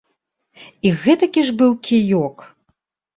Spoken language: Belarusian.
І гэтакі ж быў кіёк!